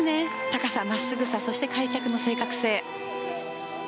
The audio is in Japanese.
高さ、真っすぐさそして、開脚の正確性。